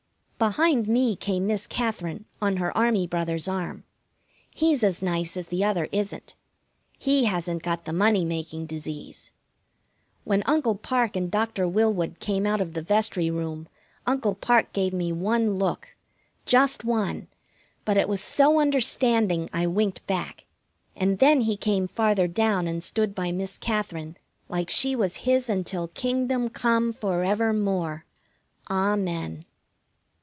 Behind me came Miss Katherine, on her Army brother's arm. He's as nice as the other isn't. He hasn't got the money making disease. When Uncle Parke and Doctor Willwood came out of the vestry room Uncle Parke gave me one look, just one, but it was so understanding I winked back, and then he came farther down and stood by Miss Katherine like she was his until kingdom come, forever more. Amen.